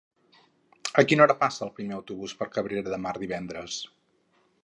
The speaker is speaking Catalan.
A quina hora passa el primer autobús per Cabrera de Mar divendres?